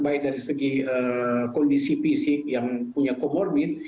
baik dari segi kondisi fisik yang punya comorbid